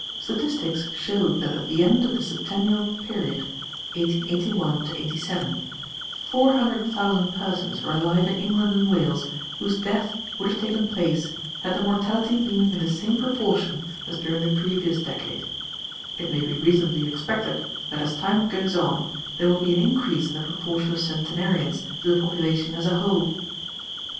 Statistics show that at the end of the septennial period, 1881 '87, 400,000 persons were alive in England and Wales whose death would have taken place had the mortality been in the same proportion as during the previous decade. It may be reasonably expected that as time goes on there will be an increase in the proportion of centenarians to the population as a whole.